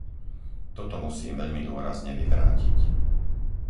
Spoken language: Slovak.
Toto musím veľmi dôrazne vyvrátiť.